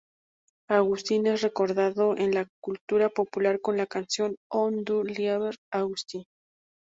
Augustin es recordado en la cultura popular con la canción ""Oh du lieber Augustin"".